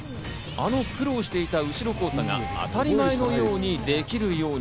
あの苦労していた後ろ交差が当たり前のようにできるように。